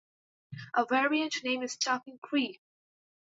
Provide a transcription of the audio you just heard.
A variant name is Stocking Creek.